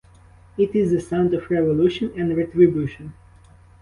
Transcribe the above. It is the sound of revolution and retribution.